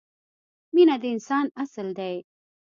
مینه د انسان اصل دی.